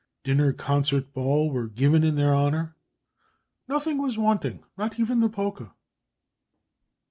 Dinner, concert, ball were given in their honour; "nothing was wanting, not even the polka."